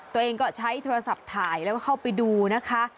ตัวเองก็ใช้โทรศัพท์ถ่ายแล้วก็เข้าไปดูนะคะ